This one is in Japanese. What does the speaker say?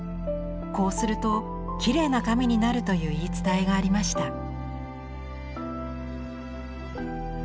こうするときれいな髪になるという言い伝えがありました。